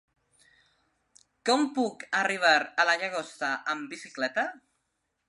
Com puc arribar a la Llagosta amb bicicleta?